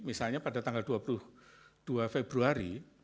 misalnya pada tanggal dua puluh dua februari